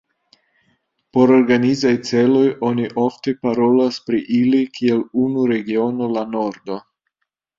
Por organizaj celoj, oni ofte parolas pri ili kiel unu regiono, La Nordo.